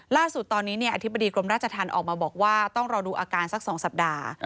ล่าสุดตอนนี้อธิบดีกรมราชธรรมออกมาบอกว่าต้องรอดูอาการสัก๒สัปดาห์